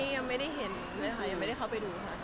ยังไม่ได้เห็นเลยค่ะยังไม่ได้เข้าไปดูค่ะ